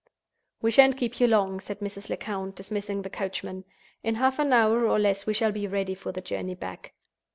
"We shan't keep you long," said Mrs. Lecount, dismissing the coachman. "In half an hour, or less, we shall be ready for the journey back."